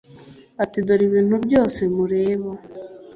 ati dore ibi bintu byose mureba